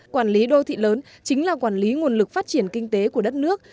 quản lý đô thị lớn chính là quản lý nguồn lực phát triển kinh tế của đất nước